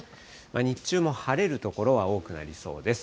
日中も晴れる所は多くなりそうです。